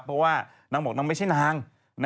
เพราะว่านางบอกนางไม่ใช่นาง